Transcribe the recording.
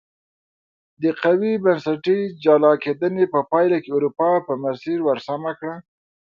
د قوي بنسټي جلا کېدنې په پایله کې اروپا په مسیر ور سمه کړه.